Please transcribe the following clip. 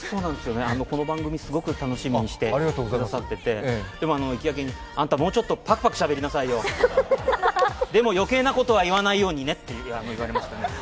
この番組すごく楽しみにしてくださってて、でも、行きがけに、あなたもうちょっとぱくぱくしゃべりなさいよでも余計なことは言わないようにねって言われましたね。